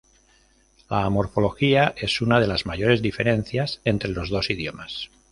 La morfología es una de las mayores diferencias entre los dos idiomas.